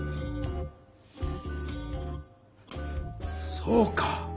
そうか！